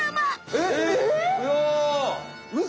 えっ？